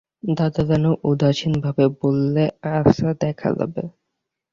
দাদা যেন উদাসীনভাবে বললে, আচ্ছা দেখা যাবে।